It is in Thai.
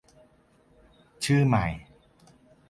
ชื่อใหม่